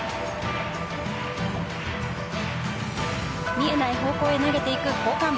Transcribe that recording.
見えない方向へ投げていく交換。